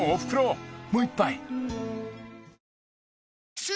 もう一杯］